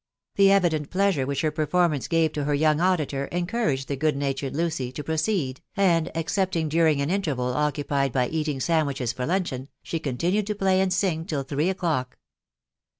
The evident pleasure which her performance gave to her young auditor encouraged the good natured Lucy to pre * ceed, and, excepting during an interval occupied Vj eating sandwiches for luncheon, she continued to \flav asA win; ^!k *toee o 'clock.